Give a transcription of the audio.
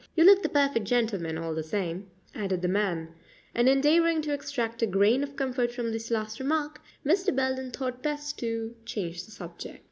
"You look the perfect gentleman, all the same," added the man; and endeavoring to extract a grain of comfort from this last remark, Mr. Belden thought best to change the subject.